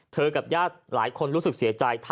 กับญาติหลายคนรู้สึกเสียใจ